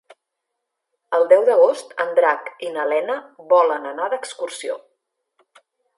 El deu d'agost en Drac i na Lena volen anar d'excursió.